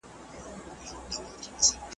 بله لار نسته دا حکم د ژوندون دی .